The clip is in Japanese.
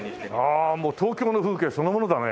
ああもう東京の風景そのものだね。